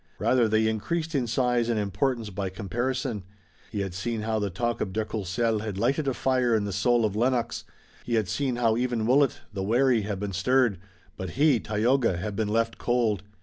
Rather, they increased in size and importance by comparison. He had seen how the talk of de Courcelles had lighted a fire in the soul of Lennox, he had seen how even Willett, the wary, had been stirred, but he, Tayoga, had been left cold.